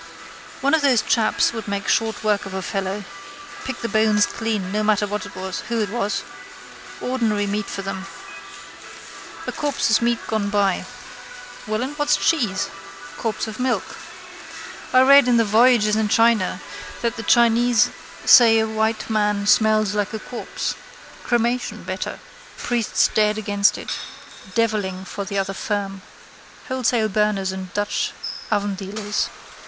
One of those chaps would make short work of a fellow. Pick the bones clean no matter who it was. Ordinary meat for them. A corpse is meat gone bad. Well and what's cheese? Corpse of milk. I read in that Voyages in China that the Chinese say a white man smells like a corpse. Cremation better. Priests dead against it. Devilling for the other firm. Wholesale burners and Dutch oven dealers.